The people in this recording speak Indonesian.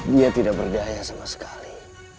dia tidak berdaya sama sekali